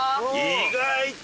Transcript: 意外と？